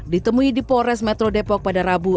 ditemui di polres metro depok pada rabu